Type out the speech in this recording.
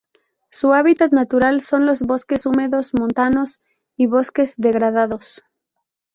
Su hábitat natural son los bosques húmedos montanos y bosques degradados.